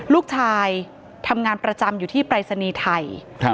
ลูกชายทำงานประจำอยู่ที่ปรายศนีย์ไทย